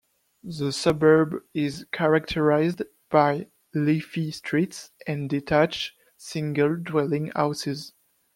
The suburb is characterised by leafy streets and detached single dwelling houses.